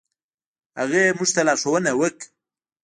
هغه موږ ته لارښوونه وکړه.